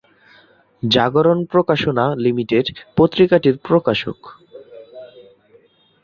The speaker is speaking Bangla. জাগরণ প্রকাশনা লিমিটেড পত্রিকাটির প্রকাশক।